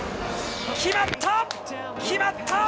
決まった！